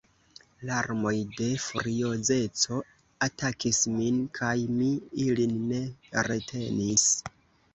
Larmoj de furiozeco atakis min, kaj mi ilin ne retenis.